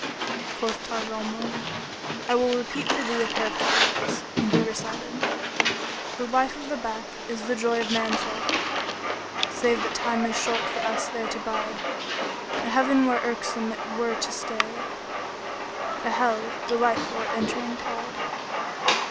Quoth Taj al Muluk, "I will repeat for thee a pair of couplets;" and he recited, The life of the bath is the joy of man's life,[FN#22] * Save that time is short for us there to bide: A Heaven where irksome it were to stay; * A Hell, delightful at entering tide."